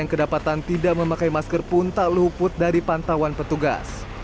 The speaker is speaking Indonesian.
yang kedapatan tidak memakai masker pun tak luput dari pantauan petugas